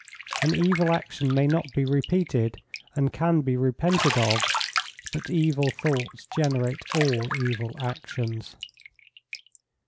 An evil action may not be repeated, and can be repented of; but evil thoughts generate all evil actions.